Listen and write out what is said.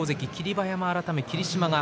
馬山改め霧島